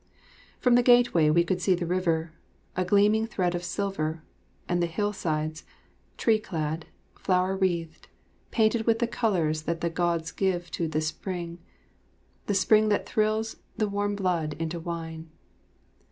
From the gateway we could see the river, a gleaming thread of silver, and the hillsides, tree clad, flower wreathed, painted with the colours that the Gods give to the spring the spring that "thrills the warm blood into wine."